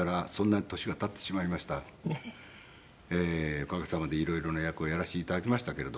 おかげさまで色々な役をやらせて頂きましたけれども。